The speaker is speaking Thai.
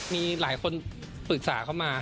มีหลายคนปรึกษาเขามา